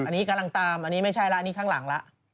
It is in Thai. อันนี้กำลังตามอันนี้ไม่ใช่แล้วอันนี้ข้างหลังแล้ว